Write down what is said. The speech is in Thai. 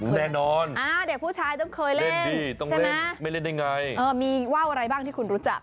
แน่นอนเล่นดีต้องเล่นไม่เล่นได้ไงใช่ไหมอ๋อมีว้าวอะไรบ้างที่คุณรู้จัก